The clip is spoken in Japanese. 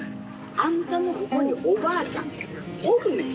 あんたのここにおばあちゃんおるんや。